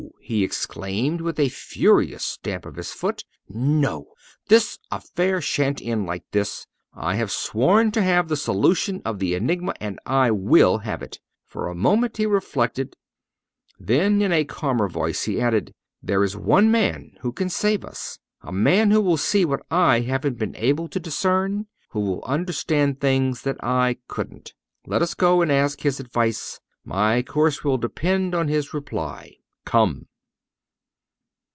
he exclaimed, with a furious stamp of his foot. "No, this affair shan't end like this. I have sworn to have the solution of the enigma and I will have it!" For a moment he reflected; then, in a calmer voice, he added: "There is one man who can save us, a man who will see what I haven't been able to discern, who will understand things that I couldn't. Let us go and ask his advice, my course will depend on his reply come!"